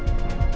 ada apa ya